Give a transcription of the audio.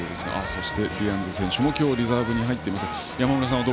そして、ディアンズ選手も今日、リザーブに入っています。